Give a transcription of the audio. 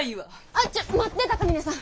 あっちょっ待って高峰さん！